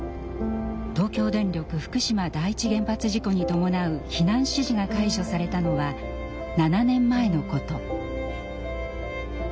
東京電力福島第一原発事故に伴う避難指示が解除されたのは７年前のこと。